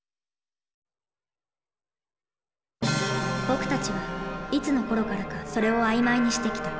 僕たちはいつのころからか「それ」を曖昧にしてきた。